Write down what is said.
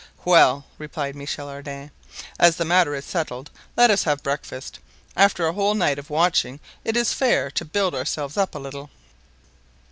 "Well," replied Michel Ardan, "as the matter is settled, let us have breakfast. After a whole night of watching it is fair to build ourselves up a little."